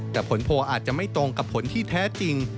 แต่ผลโพลอาจจะไม่ตรงกับผลที่แท้จริง